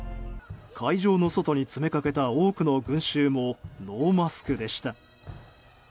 会場の外に詰めかけた多くの群衆もノーマスクでした。